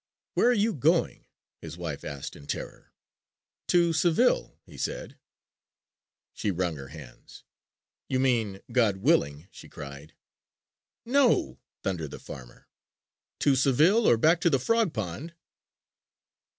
"'Where are you going?' his wife asked in terror. "'To Seville,' he said. "She wrung her hands. 'You mean God willing,' she cried. "'No,' thundered the farmer, 'to Seville or back to the frog pond!'"